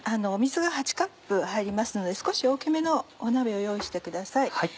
水が８カップ入りますので少し大きめの鍋を用意してください。